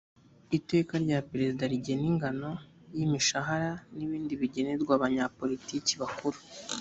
iteka rya perezida rigena ingano y’imishahara n’ibindi bigenerwa abanyapolitiki bakuru